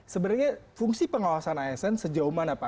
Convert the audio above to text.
sebenarnya fungsi pengawasan asn sejauh mana pak